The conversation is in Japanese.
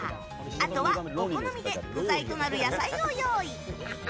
あとは、お好みで具材となる野菜を用意。